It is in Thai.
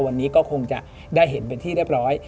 วันนี้ก็คงจะได้เห็นเป็นที่เรียบร้อย